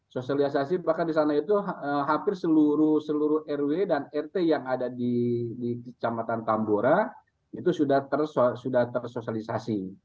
sosialisasi bahkan di sana itu hampir seluruh rw dan rt yang ada di kecamatan tambora itu sudah tersosialisasi